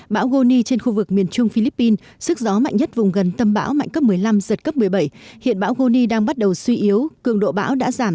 bão goni trên khu vực miền trung philippines sức gió mạnh nhất vùng gần tâm bão mạnh cấp một mươi năm giật cấp một mươi bảy